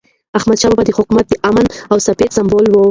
احمدشاه بابا د حکومت د امن او ثبات سمبول و.